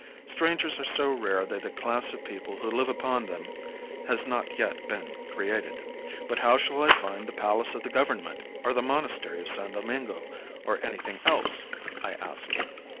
Strangers are so rare that a class of people who live upon them has not yet been created. "But how shall I find the Palace of the Government, or the monastery of San Domingo, or anything else?" I asked.